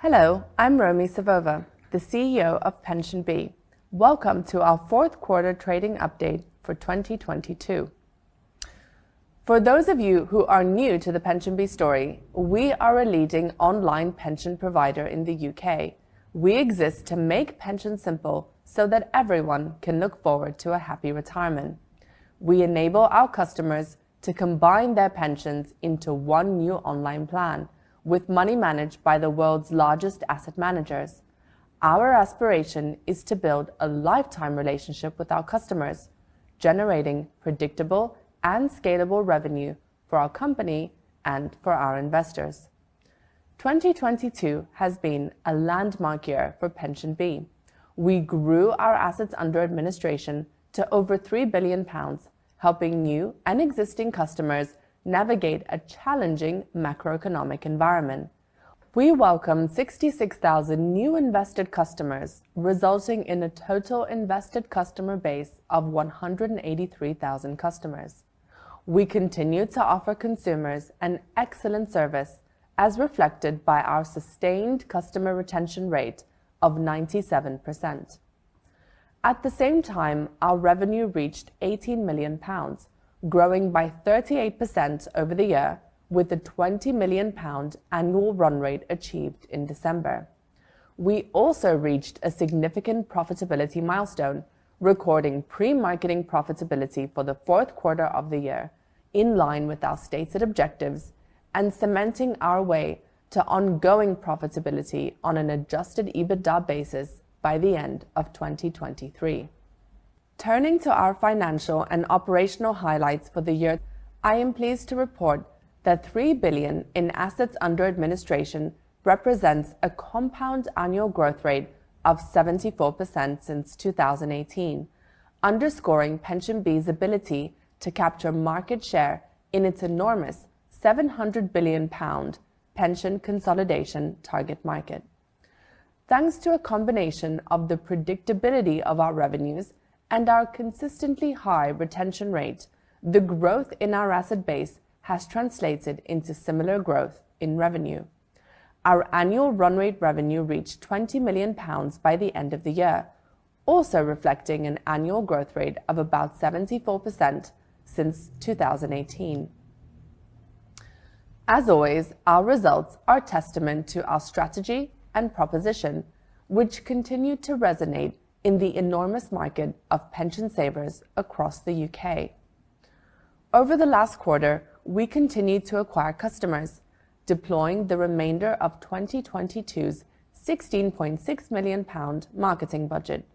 Hello, I'm Romi Savova, the CEO of PensionBee. Welcome to our fourth quarter trading update for 2022. For those of you who are new to the PensionBee story, we are a leading online pension provider in the U.K. We exist to make pensions simple so that everyone can look forward to a happy retirement. We enable our customers to combine their pensions into one new online plan with money managed by the world's largest asset managers. Our aspiration is to build a lifetime relationship with our customers, generating predictable and scalable revenue for our company and for our investors. 2022 has been a landmark year for PensionBee. We grew our assets under administration to over 3 billion pounds, helping new and existing customers navigate a challenging macroeconomic environment. We welcomed 66,000 new invested customers, resulting in a total invested customer base of 183,000 customers. We continued to offer consumers an excellent service, as reflected by our sustained customer retention rate of 97%. Our revenue reached 18 million pounds, growing by 38% over the year with a 20 million pound annual run rate achieved in December. We also reached a significant profitability milestone, recording pre-marketing profitability for the fourth quarter of the year, in line with our stated objectives and cementing our way to ongoing profitability on an Adjusted EBITDA basis by the end of 2023. Turning to our financial and operational highlights for the year, I am pleased to report that 3 billion in assets under administration represents a compound annual growth rate of 74% since 2018, underscoring PensionBee's ability to capture market share in its enormous GBP 700 billion pension consolidation target market. Thanks to a combination of the predictability of our revenues and our consistently high retention rate, the growth in our asset base has translated into similar growth in revenue. Our annual run rate revenue reached 20 million pounds by the end of the year, also reflecting an annual growth rate of about 74% since 2018. As always, our results are testament to our strategy and proposition, which continue to resonate in the enormous market of pension savers across the UK. Over the last quarter, we continued to acquire customers, deploying the remainder of 2022's GBP 16.6 million marketing budget.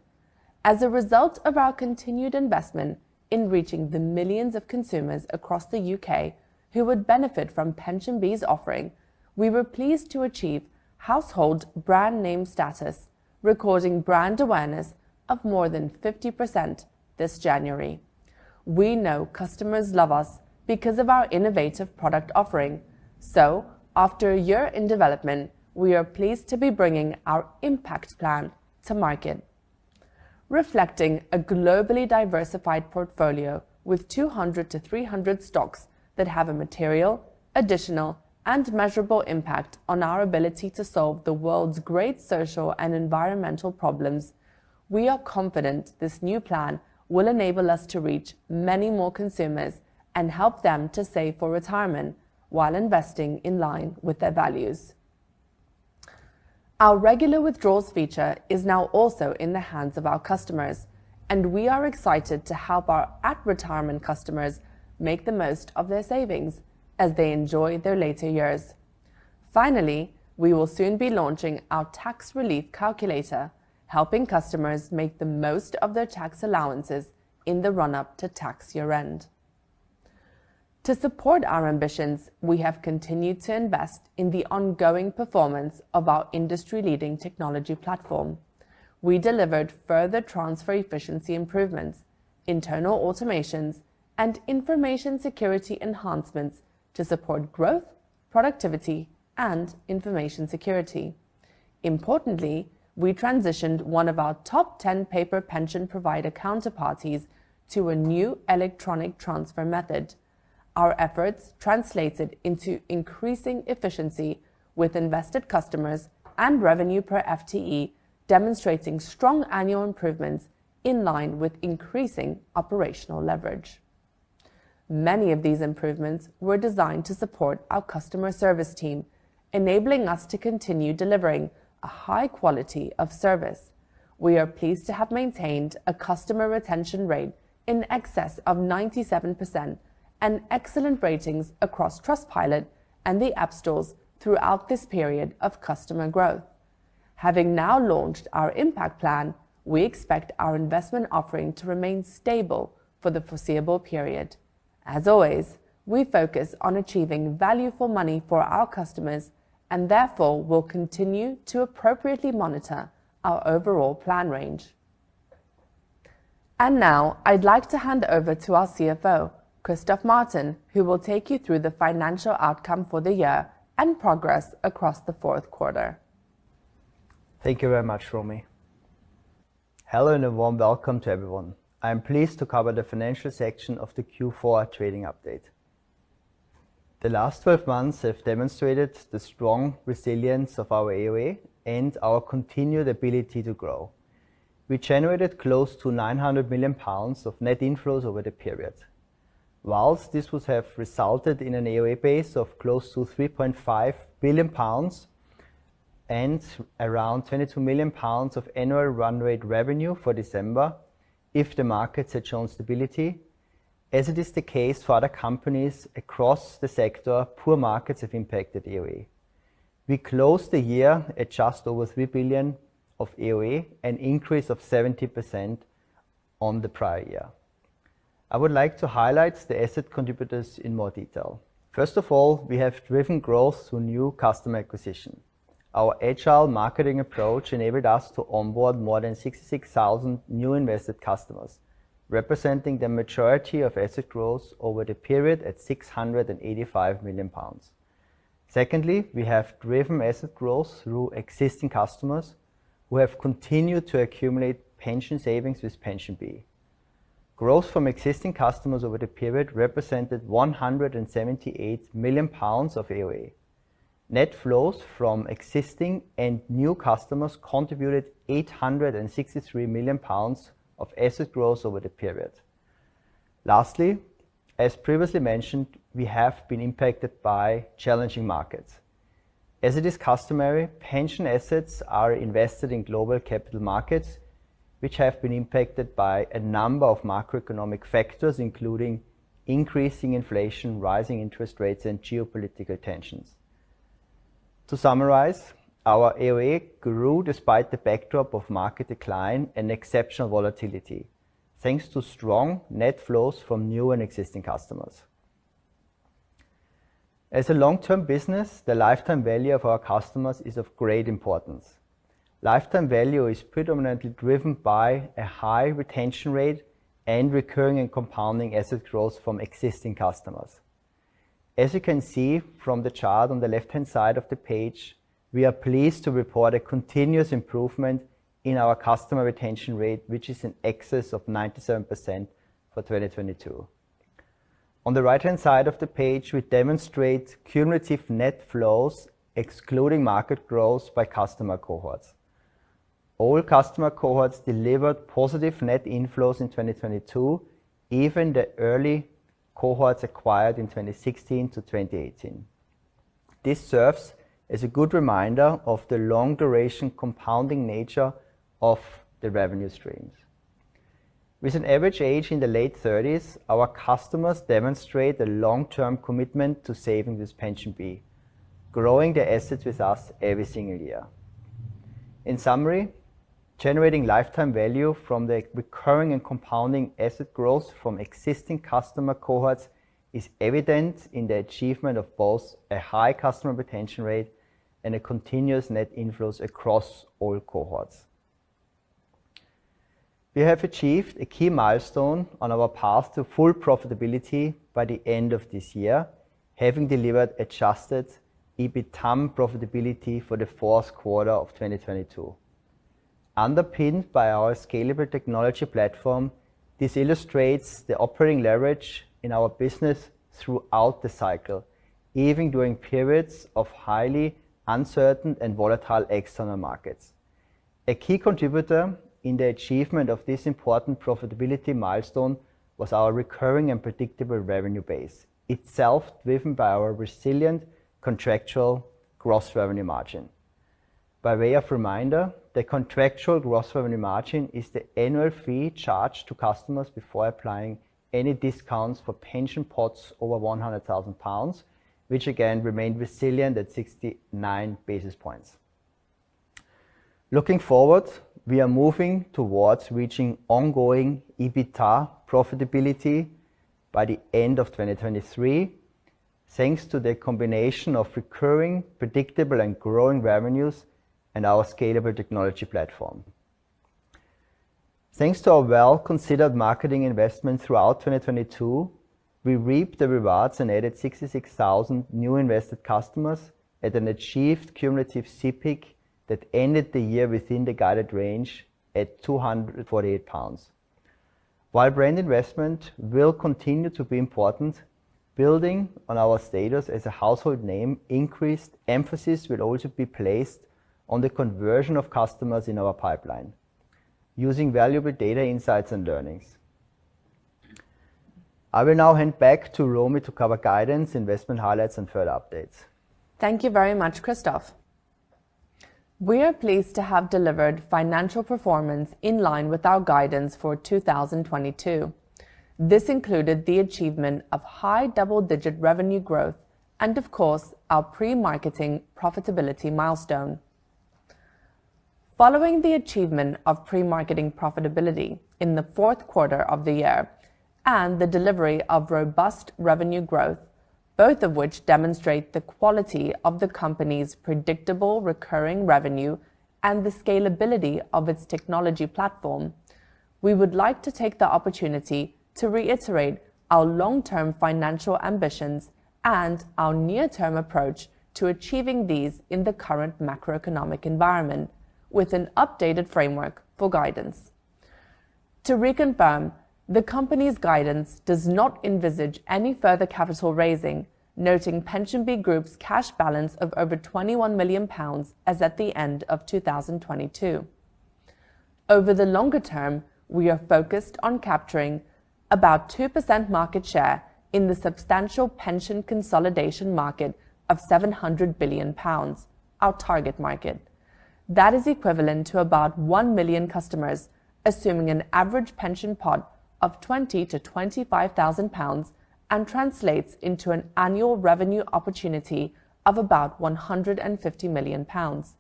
As a result of our continued investment in reaching the millions of consumers across the U.K. who would benefit from PensionBee's offering, we were pleased to achieve household brand name status, recording brand awareness of more than 50% this January. We know customers love us because of our innovative product offering. After a year in development, we are pleased to be bringing our Impact Plan to market. Reflecting a globally diversified portfolio with 200-300 stocks that have a material, additional, and measurable impact on our ability to solve the world's great social and environmental problems, we are confident this new plan will enable us to reach many more consumers and help them to save for retirement while investing in line with their values. Our Regular withdrawals feature is now also in the hands of our customers, and we are excited to help our at retirement customers make the most of their savings as they enjoy their later years. Finally, we will soon be launching our Tax Relief Calculator, helping customers make the most of their tax allowances in the run up to tax year-end. To support our ambitions, we have continued to invest in the ongoing performance of our industry leading technology platform. We delivered further transfer efficiency improvements, internal automations, and information security enhancements to support growth, productivity, and information security. Importantly, we transitioned one of our top 10 paper pension provider counterparties to a new electronic transfer method. Our efforts translated into increasing efficiency with invested customers and revenue per FTE, demonstrating strong annual improvements in line with increasing operational leverage. Many of these improvements were designed to support our customer service team, enabling us to continue delivering a high quality of service. We are pleased to have maintained a customer retention rate in excess of 97% and excellent ratings across Trustpilot and the app stores throughout this period of customer growth. Having now launched our Impact Plan, we expect our investment offering to remain stable for the foreseeable period. As always, we focus on achieving value for money for our customers and therefore will continue to appropriately monitor our overall plan range. Now I'd like to hand over to our CFO, Christoph Martin, who will take you through the financial outcome for the year and progress across the fourth quarter. Thank you very much, Romi. Hello, and a warm welcome to everyone. I am pleased to cover the financial section of the Q4 trading update. The last 12 months have demonstrated the strong resilience of our AOA and our continued ability to grow. We generated close to 900 million pounds of net inflows over the period. Whilst this would have resulted in an AOA base of close to 3.5 billion pounds and around 22 million pounds of annual run rate revenue for December if the markets had shown stability, as it is the case for other companies across the sector, poor markets have impacted AOA. We closed the year at just over 3 billion of AOA, an increase of 70% on the prior year. I would like to highlight the asset contributors in more detail. First of all, we have driven growth through new customer acquisition. Our agile marketing approach enabled us to onboard more than 66,000 new invested customers, representing the majority of asset growth over the period at 685 million pounds. We have driven asset growth through existing customers who have continued to accumulate pension savings with PensionBee. Growth from existing customers over the period represented 178 million pounds of AOA. Net flows from existing and new customers contributed 863 million pounds of asset growth over the period. As previously mentioned, we have been impacted by challenging markets. As it is customary, pension assets are invested in global capital markets, which have been impacted by a number of macroeconomic factors, including increasing inflation, rising interest rates, and geopolitical tensions. To summarize, our AOA grew despite the backdrop of market decline and exceptional volatility, thanks to strong net flows from new and existing customers. As a long-term business, the lifetime value of our customers is of great importance. Lifetime value is predominantly driven by a high retention rate and recurring and compounding asset growth from existing customers. As you can see from the chart on the left-hand side of the page, we are pleased to report a continuous improvement in our customer retention rate, which is in excess of 97% for 2022. On the right-hand side of the page, we demonstrate cumulative net flows, excluding market growth, by customer cohorts. All customer cohorts delivered positive net inflows in 2022, even the early cohorts acquired in 2016 to 2018. This serves as a good reminder of the long duration compounding nature of the revenue streams. With an average age in the late thirties, our customers demonstrate the long-term commitment to saving with PensionBee, growing their assets with us every single year. In summary, generating lifetime value from the recurring and compounding asset growth from existing customer cohorts is evident in the achievement of both a high customer retention rate and a continuous net inflows across all cohorts. We have achieved a key milestone on our path to full profitability by the end of this year, having delivered Adjusted EBITDA profitability for the fourth quarter of 2022. Underpinned by our scalable technology platform, this illustrates the operating leverage in our business throughout the cycle, even during periods of highly uncertain and volatile external markets. A key contributor in the achievement of this important profitability milestone was our recurring and predictable revenue base, itself driven by our resilient contractual gross revenue margin. By way of reminder, the contractual gross revenue margin is the annual fee charged to customers before applying any discounts for pension pots over 100,000 pounds, which again remained resilient at 69 basis points. Looking forward, we are moving towards reaching ongoing EBITDA profitability by the end of 2023, thanks to the combination of recurring, predictable, and growing revenues and our scalable technology platform. Thanks to our well-considered marketing investment throughout 2022, we reaped the rewards and added 66,000 new invested customers at an achieved cumulative CPIC that ended the year within the guided range at 248 pounds. While brand investment will continue to be important, building on our status as a household name, increased emphasis will also be placed on the conversion of customers in our pipeline using valuable data insights and learnings. I will now hand back to Romi to cover guidance, investment highlights, and further updates. Thank you very much, Christoph. We are pleased to have delivered financial performance in line with our guidance for 2022. This included the achievement of high double-digit revenue growth and of course, our pre-marketing profitability milestone. Following the achievement of pre-marketing profitability in the fourth quarter of the year and the delivery of robust revenue growth, both of which demonstrate the quality of the company's predictable recurring revenue and the scalability of its technology platform. We would like to take the opportunity to reiterate our long-term financial ambitions and our near-term approach to achieving these in the current macroeconomic environment with an updated framework for guidance. To reconfirm, the company's guidance does not envisage any further capital raising, noting PensionBee Group's cash balance of over 21 million pounds as at the end of 2022. Over the longer term, we are focused on capturing about 2% market share in the substantial pension consolidation market of 700 billion pounds, our target market. That is equivalent to about 1 million customers assuming an average pension pot of 20,000-25,000 pounds and translates into an annual revenue opportunity of about 150 million pounds.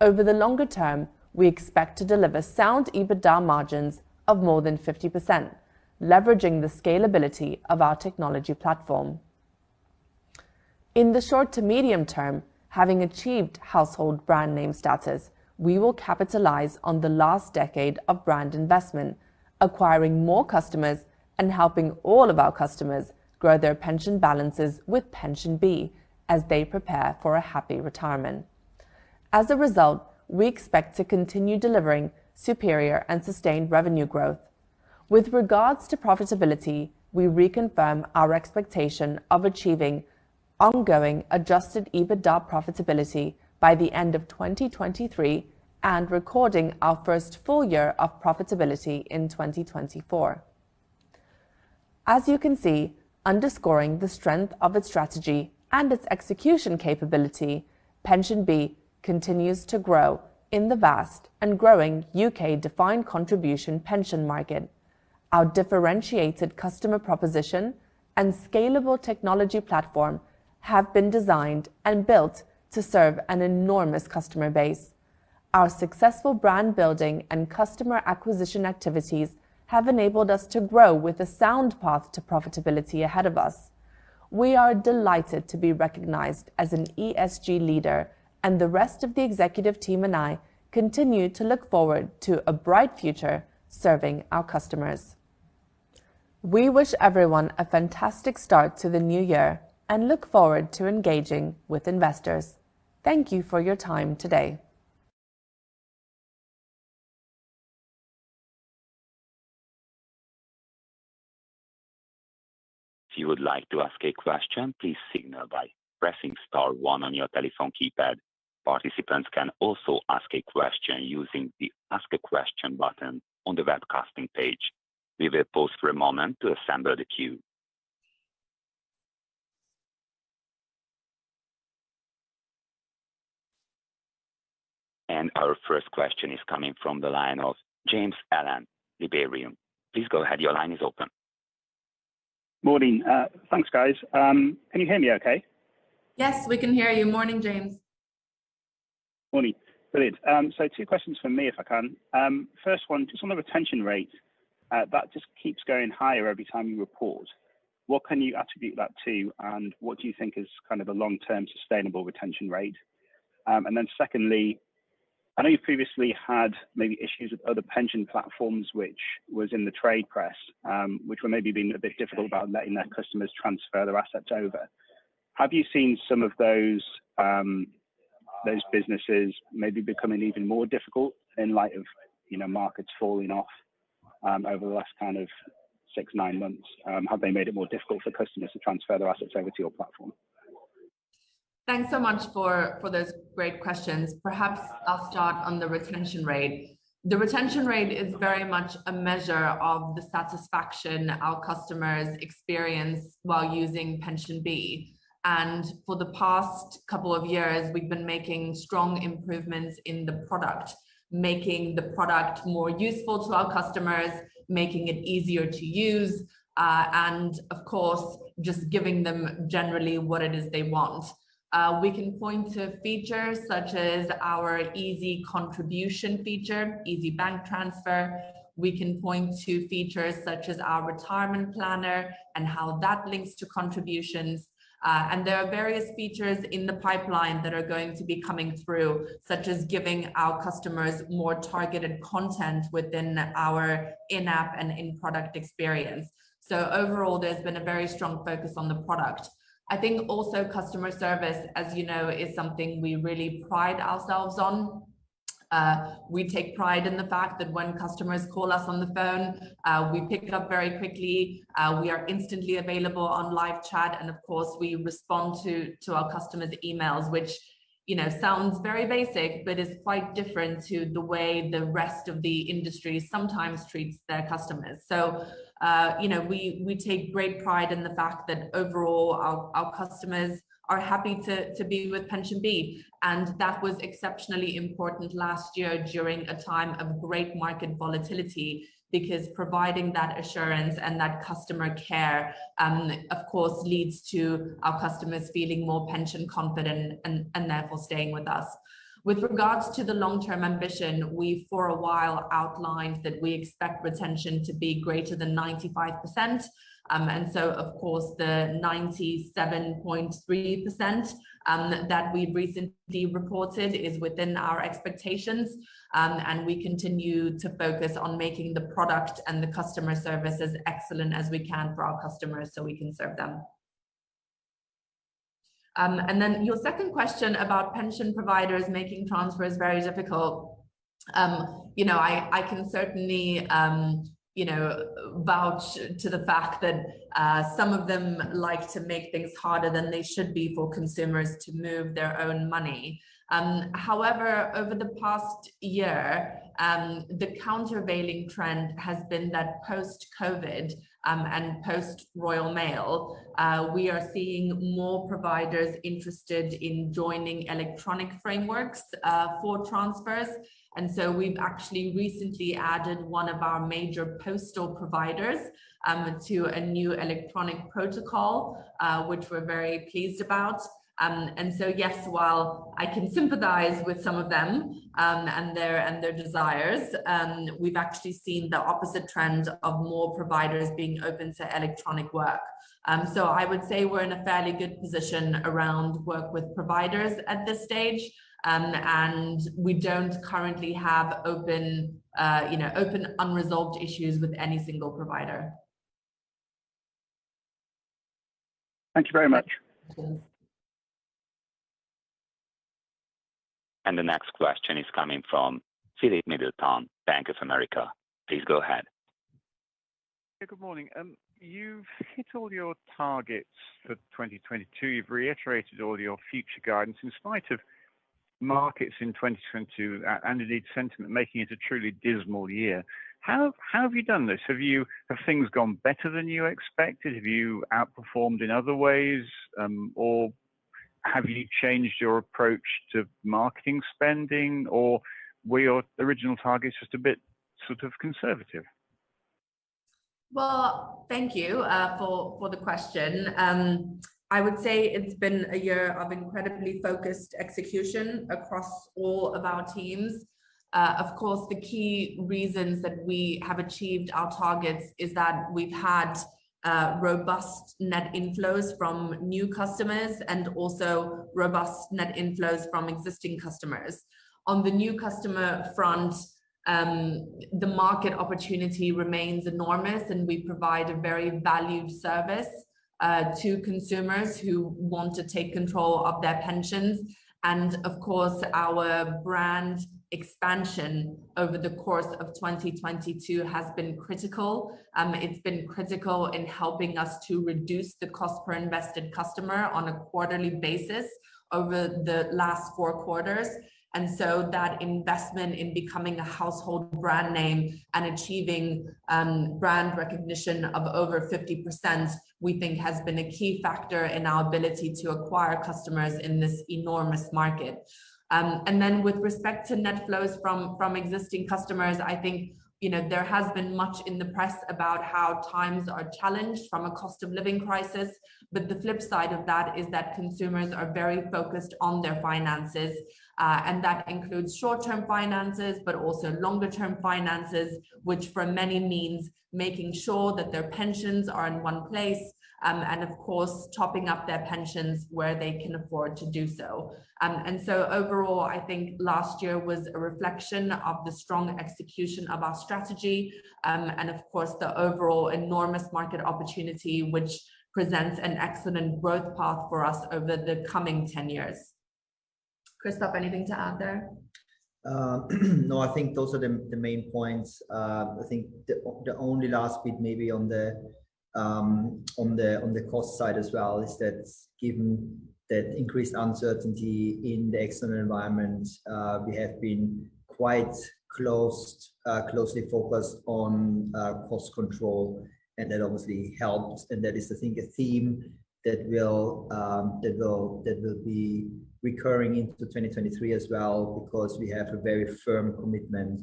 Over the longer term, we expect to deliver sound EBITDA margins of more than 50%, leveraging the scalability of our technology platform. In the short to medium term, having achieved household brand name status, we will capitalize on the last decade of brand investment, acquiring more customers and helping all of our customers grow their pension balances with PensionBee as they prepare for a happy retirement. As a result, we expect to continue delivering superior and sustained revenue growth. With regards to profitability, we reconfirm our expectation of achieving ongoing Adjusted EBITDA profitability by the end of 2023 and recording our first full year of profitability in 2024. As you can see, underscoring the strength of its strategy and its execution capability, PensionBee continues to grow in the vast and growing U.K. defined contribution pension market. Our differentiated customer proposition and scalable technology platform have been designed and built to serve an enormous customer base. Our successful brand building and customer acquisition activities have enabled us to grow with a sound path to profitability ahead of us. We are delighted to be recognized as an ESG leader and the rest of the executive team and I continue to look forward to a bright future serving our customers. We wish everyone a fantastic start to the new year and look forward to engaging with investors. Thank you for your time today. If you would like to ask a question, please signal by pressing star one on your telephone keypad. Participants can also ask a question using the Ask a question button on the webcasting page. We will pause for a moment to assemble the queue. Our first question is coming from the line of James Allen, Liberum. Please go ahead. Your line is open. Morning. Thanks, guys. Can you hear me okay? Yes, we can hear you. Morning, James. Morning. Brilliant. 2 questions from me, if I can. First one, just on the retention rate, that just keeps going higher every time you report. What can you attribute that to, and what do you think is kind of a long-term sustainable retention rate? Secondly, I know you previously had maybe issues with other pension platforms, which was in the trade press, which were maybe being a bit difficult about letting their customers transfer their assets over. Have you seen some of those businesses maybe becoming even more difficult in light of, you know, markets falling off, over the last kind of 6, 9 months? Have they made it more difficult for customers to transfer their assets over to your platform? Thanks so much for those great questions. Perhaps I'll start on the retention rate. The retention rate is very much a measure of the satisfaction our customers experience while using PensionBee. For the past couple of years, we've been making strong improvements in the product, making the product more useful to our customers, making it easier to use, and of course, just giving them generally what it is they want. We can point to features such as our easy contribution feature, easy bank transfer. We can point to features such as our Retirement Planner and how that links to contributions. There are various features in the pipeline that are going to be coming through, such as giving our customers more targeted content within our in-app and in-product experience. Overall, there's been a very strong focus on the product. I think also customer service, as you know, is something we really pride ourselves on. We take pride in the fact that when customers call us on the phone, we pick it up very quickly. We are instantly available on live chat, and of course, we respond to our customers' emails, which, you know, sounds very basic but is quite different to the way the rest of the industry sometimes treats their customers. You know, we take great pride in the fact that overall our customers are happy to be with PensionBee. That was exceptionally important last year during a time of great market volatility because providing that assurance and that customer care, of course leads to our customers feeling more pension confident and therefore staying with us. With regards to the long-term ambition, we for a while outlined that we expect retention to be greater than 95%. Of course the 97.3% that we recently reported is within our expectations. We continue to focus on making the product and the customer service as excellent as we can for our customers so we can serve them. Your second question about pension providers making transfers very difficult. You know, I can certainly, you know, vouch to the fact that some of them like to make things harder than they should be for consumers to move their own money. However, over the past year, the countervailing trend has been that post-COVID, and post-Royal Mail, we are seeing more providers interested in joining electronic frameworks for transfers. We've actually recently added one of our major postal providers to a new electronic protocol, which we're very pleased about. Yes, while I can sympathize with some of them, and their desires, we've actually seen the opposite trend of more providers being open to electronic work. I would say we're in a fairly good position around work with providers at this stage. We don't currently have open, you know, open, unresolved issues with any single provider. Thank you very much. Cheers. The next question is coming from Philip Middleton, Bank of America. Please go ahead. Yeah. Good morning. You've hit all your targets for 2022. You've reiterated all your future guidance in spite of markets in 2022, indeed sentiment making it a truly dismal year. How have you done this? Have things gone better than you expected? Have you outperformed in other ways? Have you changed your approach to marketing spending? Were your original targets just a bit sort of conservative? Well, thank you, for the question. I would say it's been a year of incredibly focused execution across all of our teams. Of course, the key reasons that we have achieved our targets is that we've had robust net inflows from new customers and also robust net inflows from existing customers. On the new customer front, the market opportunity remains enormous, and we provide a very valued service to consumers who want to take control of their pensions. Of course, our brand expansion over the course of 2022 has been critical. It's been critical in helping us to reduce the cost per invested customer on a quarterly basis over the last four quarters. That investment in becoming a household brand name and achieving brand recognition of over 50%, we think has been a key factor in our ability to acquire customers in this enormous market. With respect to net flows from existing customers, I think, you know, there has been much in the press about how times are challenged from a cost of living crisis. The flip side of that is that consumers are very focused on their finances, and that includes short-term finances, but also longer term finances, which for many means making sure that their pensions are in one place, and of course, topping up their pensions where they can afford to do so. Overall, I think last year was a reflection of the strong execution of our strategy, and of course, the overall enormous market opportunity, which presents an excellent growth path for us over the coming 10 years. Christoph, anything to add there? No, I think those are the main points. I think the only last bit maybe on the cost side as well, is that given that increased uncertainty in the external environment, we have been quite closely focused on cost control, and that obviously helps. That is I think a theme that will be recurring into 2023 as well, because we have a very firm commitment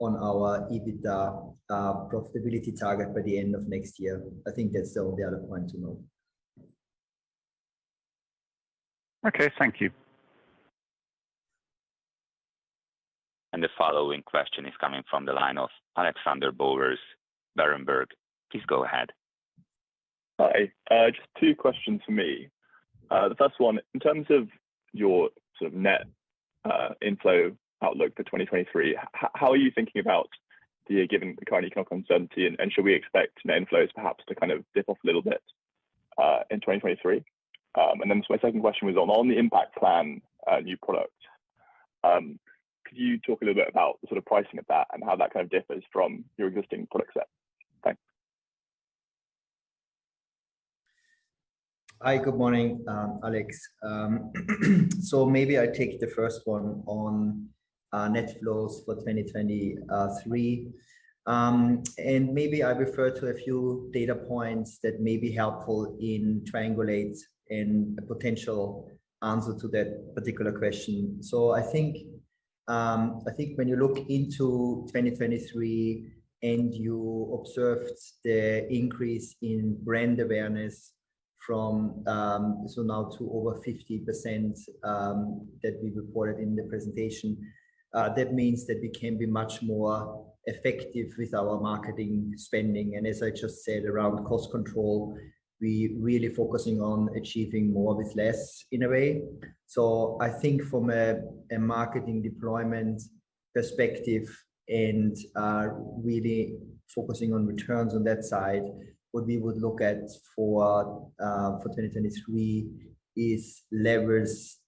on our EBITDA profitability target by the end of next year. I think that's the only other point to note. Okay. Thank you. The following question is coming from the line of Alexander Bowers, Berenberg. Please go ahead. Hi. Just two questions from me. The first one, in terms of your sort of net inflow outlook for 2023, how are you thinking about the year given the current economic uncertainty? Should we expect net inflows perhaps to kind of dip off a little bit in 2023? My second question was on the Impact Plan new product. Could you talk a little bit about the sort of pricing of that and how that kind of differs from your existing product set? Thanks. Hi. Good morning, Alex. Maybe I take the first one on net flows for 2023. Maybe I refer to a few data points that may be helpful in triangulate in a potential answer to that particular question. I think when you look into 2023 and you observed the increase in brand awareness from now to over 50% that we reported in the presentation, that means that we can be much more effective with our marketing spending. As I just said, around cost control, we really focusing on achieving more with less in a way. I think from a marketing deployment perspective and really focusing on returns on that side, what we would look at for 2023 is levers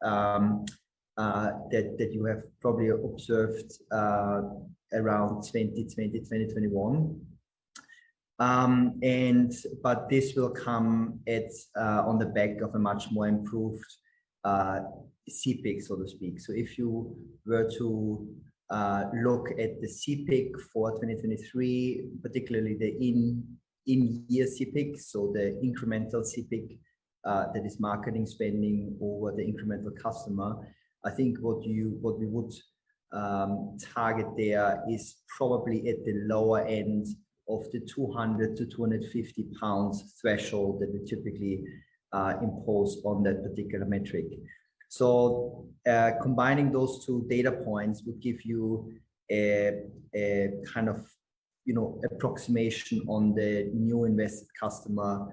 that you have probably observed around 2020, 2021. This will come at on the back of a much more improved CPIC, so to speak. If you were to look at the CPIC for 2023, particularly the in-year CPIC, so the incremental CPIC, that is marketing spending over the incremental customer, I think what we would target there is probably at the lower end of the 200-250 pounds threshold that we typically impose on that particular metric. Combining those two data points would give you a kind of, you know, approximation on the new invest customer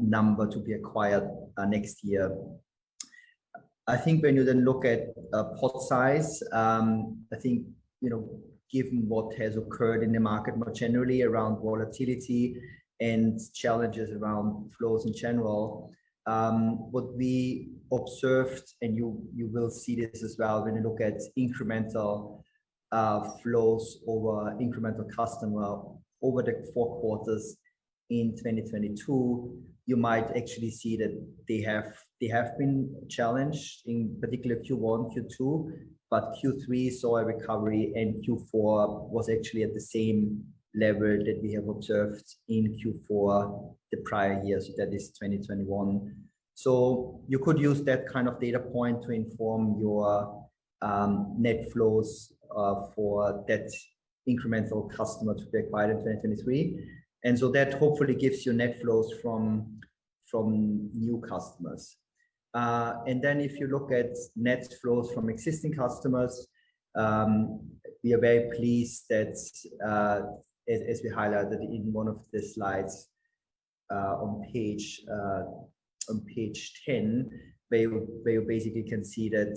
number to be acquired next year. I think when you then look at pot size, I think, you know, given what has occurred in the market more generally around volatility and challenges around flows in general, what we observed and you will see this as well when you look at incremental flows over incremental customer over the four quarters in 2022, you might actually see that they have been challenged in particular Q1, Q2, but Q3 saw a recovery, and Q4 was actually at the same level that we have observed in Q4 the prior years, that is 2021. You could use that kind of data point to inform your net flows for that incremental customer to be acquired in 2023. That hopefully gives you net flows from new customers. If you look at net flows from existing customers, we are very pleased that as we highlighted in one of the slides on page 10, where you basically can see that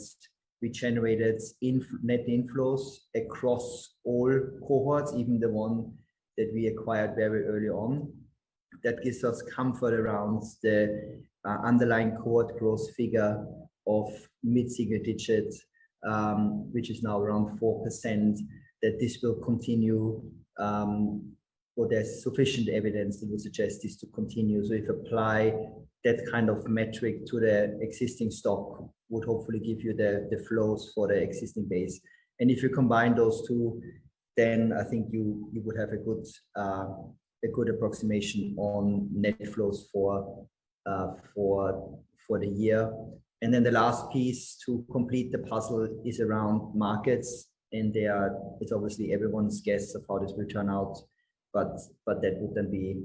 we generated net inflows across all cohorts, even the one that we acquired very early on. That gives us comfort around the underlying cohort growth figure of mid-single digits, which is now around 4%, that this will continue, or there's sufficient evidence that would suggest this to continue. If you apply that kind of metric to the existing stock, would hopefully give you the flows for the existing base. If you combine those two, then I think you would have a good approximation on net flows for the year. The last piece to complete the puzzle is around markets, and it's obviously everyone's guess of how this will turn out, but that would then be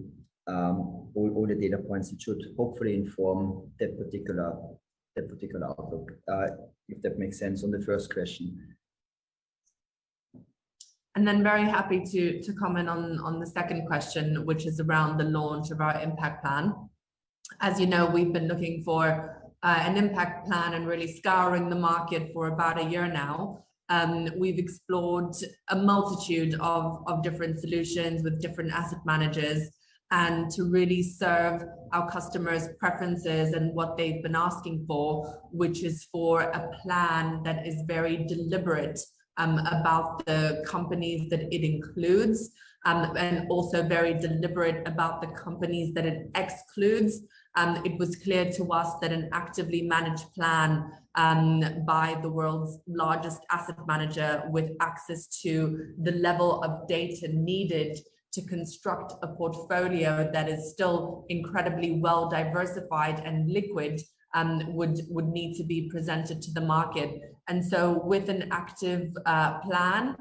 all the data points that should hopefully inform that particular outlook. If that makes sense on the first question. Very happy to comment on the second question, which is around the launch of our Impact Plan. As you know, we've been looking for an Impact Plan and really scouring the market for about a year now. We've explored a multitude of different solutions with different asset managers and to really serve our customers' preferences and what they've been asking for, which is for a plan that is very deliberate about the companies that it includes and also very deliberate about the companies that it excludes. It was clear to us that an actively managed plan by the world's largest asset manager with access to the level of data needed to construct a portfolio that is still incredibly well-diversified and liquid would need to be presented to the market. With an active plan,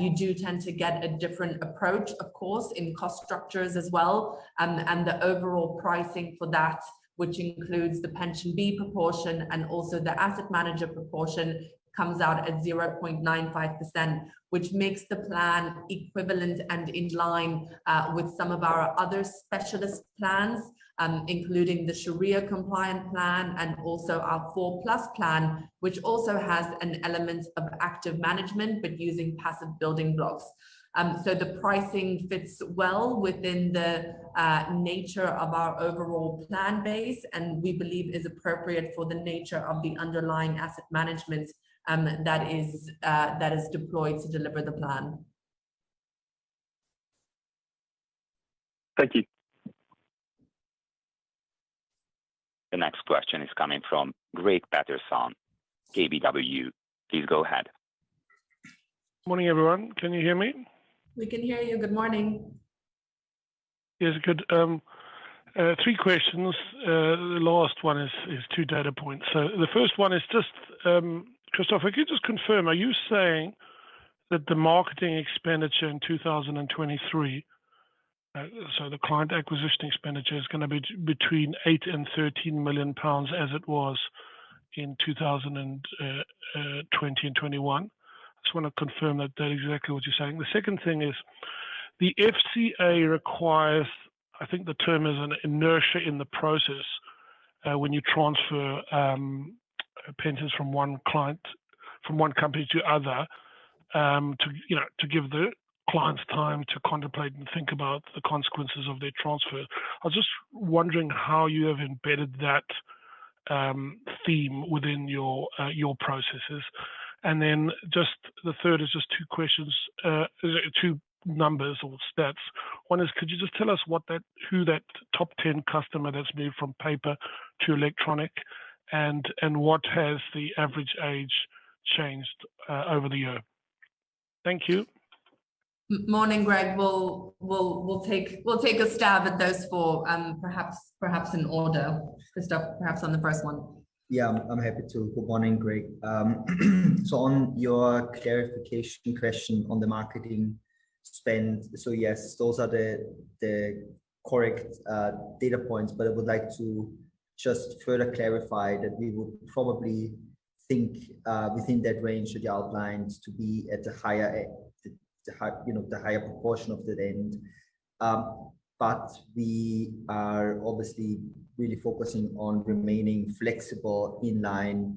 you do tend to get a different approach, of course, in cost structures as well. The overall pricing for that, which includes the PensionBee proportion and also the asset manager proportion, comes out at 0.95%, which makes the plan equivalent and in line with some of our other specialist plans, including the Shariah compliant plan and also our 4Plus Plan, which also has an element of active management, but using passive building blocks. The pricing fits well within the nature of our overall plan base, and we believe is appropriate for the nature of the underlying asset management that is deployed to deliver the plan. Thank you. The next question is coming from Greg Mason, KBW. Please go ahead. Morning, everyone. Can you hear me? We can hear you. Good morning. Yes. Good. three questions. The last one is two data points. The first one is just, Christoph, could you just confirm, are you saying that the marketing expenditure in 2023, so the client acquisition expenditure is gonna be between 8 million and 13 million pounds as it was in 2020 and 2021? I just wanna confirm that that is exactly what you're saying. The second thing is, the FCA requires, I think the term is an inertia in the process, when you transfer pensions from one company to other, to, you know, to give the clients time to contemplate and think about the consequences of their transfer. I was just wondering how you have embedded that theme within your processes. Just the third is just two questions, two numbers or stats. One is could you just tell us who that top 10 customer that's moved from paper to electronic and what has the average age changed over the year? Thank you. Morning, Greg. We'll take a stab at those four, perhaps in order. Christoph, perhaps on the first one. Yeah, I'm happy to. Good morning, Greg. On your clarification question on the marketing spend. Yes, those are the correct data points, but I would like to just further clarify that we would probably think within that range that you outlined to be at the higher end, the high, you know, the higher proportion of that end. We are obviously really focusing on remaining flexible in line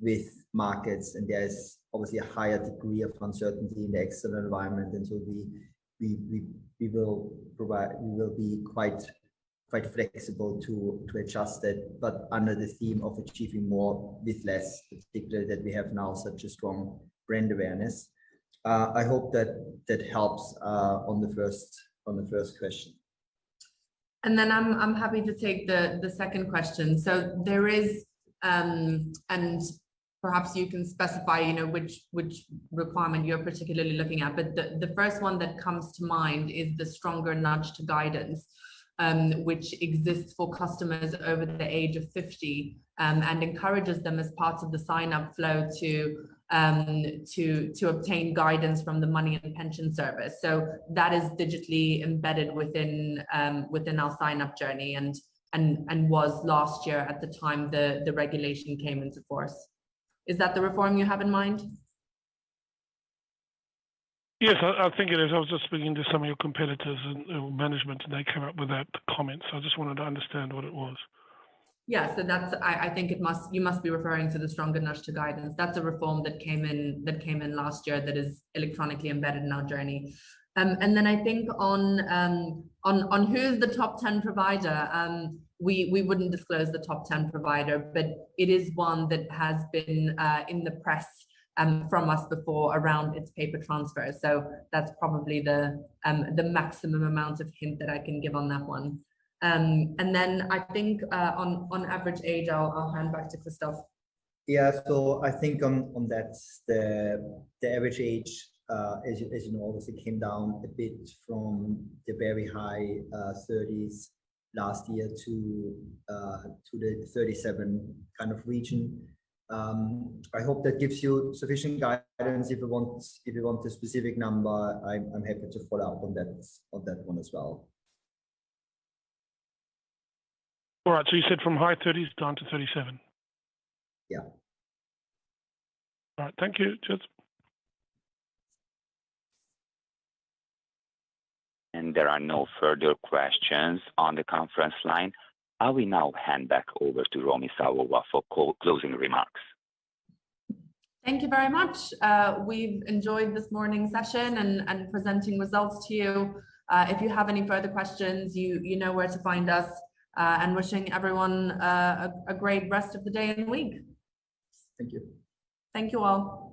with markets, and there's obviously a higher degree of uncertainty in the external environment. We will be quite flexible to adjust it, but under the theme of achieving more with less, particularly that we have now such a strong brand awareness. I hope that helps on the first question. I'm happy to take the second question. There is, and perhaps you can specify, you know, which requirement you're particularly looking at. The first one that comes to mind is the stronger nudge to guidance, which exists for customers over the age of 50, and encourages them as part of the sign-up flow to obtain guidance from the Money and Pensions Service. That is digitally embedded within our sign-up journey and was last year at the time the regulation came into force. Is that the reform you have in mind? Yes, I think it is. I was just speaking to some of your competitors and management, and they came up with that comment, so I just wanted to understand what it was. That's-- I think you must be referring to the stronger nudge to guidance. That's a reform that came in last year that is electronically embedded in our journey. Then I think on who's the top 10 provider, we wouldn't disclose the top 10 provider, but it is one that has been in the press from us before around its paper transfer. That's probably the maximum amount of hint that I can give on that one. Then I think on average age, I'll hand back to Christoph. I think on that the average age, as you know, obviously came down a bit from the very high thirties last year to the 37 kind of region. I hope that gives you sufficient guidance. If you want, if you want a specific number, I'm happy to follow up on that, on that one as well. All right. you said from high thirties down to 37. Yeah. All right. Thank you. Cheers. There are no further questions on the conference line. I will now hand back over to Romi Savova for co-closing remarks. Thank you very much. We've enjoyed this morning's session and presenting results to you. If you have any further questions, you know where to find us, wishing everyone a great rest of the day and week. Thank you. Thank you all.